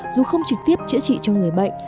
dù không trực tiếp chữa trị cho người bệnh